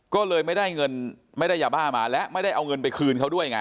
ก็เลยไม่ได้เงินไม่ได้ยาบ้ามาและไม่ได้เอาเงินไปคืนเขาด้วยไง